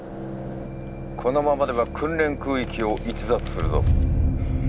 このままでは訓練空域を逸脱するぞ。